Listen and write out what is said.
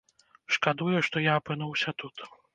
Шкадую, што я апынуўся тут.